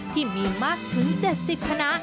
ที่มีมากถึง๗๐คณะ